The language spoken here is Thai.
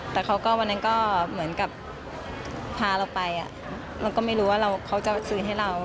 แต่เขาก็วันนั้นก็เหมือนกับพาเราไปเราก็ไม่รู้ว่าเขาจะซื้อให้เรา